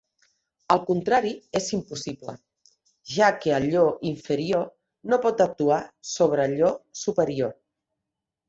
Al contrari és impossible, ja que allò inferior no pot actuar sobre allò superior.